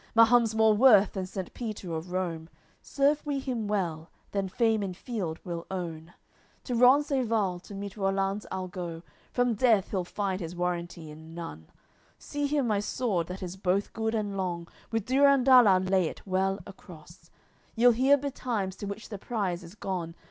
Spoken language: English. Mahum's more worth than Saint Peter of Rome; Serve we him well, then fame in field we'll own. To Rencesvals, to meet Rollanz I'll go, From death he'll find his warranty in none. See here my sword, that is both good and long With Durendal I'll lay it well across; Ye'll hear betimes to which the prize is gone.